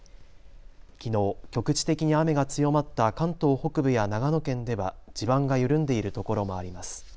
きのう、局地的に雨が強まった関東北部や長野県では地盤が緩んでいるところもあります。